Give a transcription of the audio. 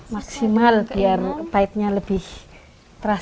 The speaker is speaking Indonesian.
maksimal biar pahitnya lebih terasa